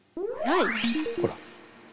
ほら。